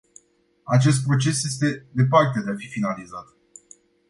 Acest proces este departe de a fi finalizat.